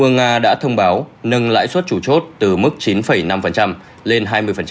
vương nga đã thông báo nâng lãi suất chủ chốt từ mức chín năm lên hai mươi